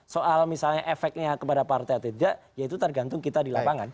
soal misalnya efeknya kepada partai atau tidak ya itu tergantung kita di lapangan